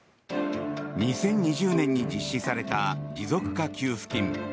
２０２０年に実施された持続化給付金。